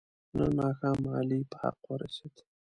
نن ماښام علي په حق ورسید.